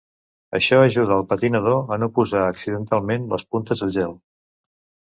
Això ajuda al patinador a no posar accidentalment les puntes al gel.